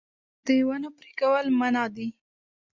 د ونو پرې کول منع دي